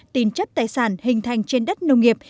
tín chấp tài sản hình thành trên đất nông nghiệp